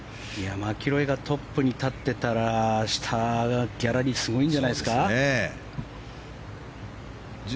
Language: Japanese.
マキロイがトップに立ってたら明日、ギャラリーすごいんじゃないですか。